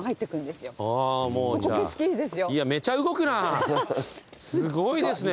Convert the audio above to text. すごいですね。